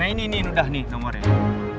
nah ini nih udah nih nomornya